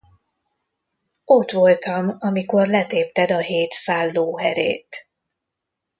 Ott voltam, amikor letépted a hét szál lóherét.